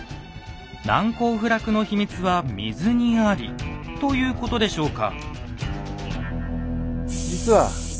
「難攻不落の秘密は水にあり」ということでしょうか？